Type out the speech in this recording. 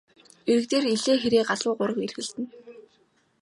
Эрэг дээр элээ хэрээ галуу гурав эргэлдэнэ.